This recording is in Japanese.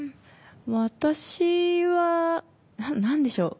私は何でしょう。